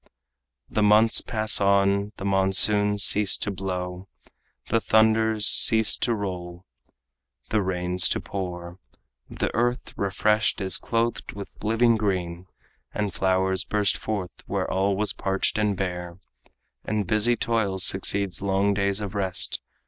The months pass on; the monsoons cease to blow, The thunders cease to roll, the rains to pour; The earth, refreshed, is clothed with living green, And flowers burst forth where all was parched and bare, And busy toil succeeds long days of rest.